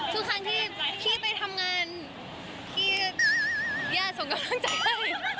ทุกครั้งที่พี่ไปทำงานที่ญาติส่งกำลังใจให้